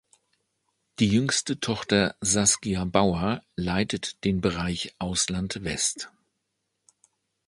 Die jüngste Tochter Saskia Bauer leitet den Bereich Ausland West.